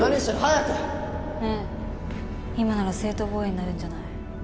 今なら正当防衛になるんじゃない？